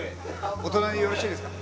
お隣よろしいですか？